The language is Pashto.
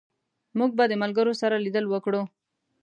موږ به د ملګرو سره لیدل وکړو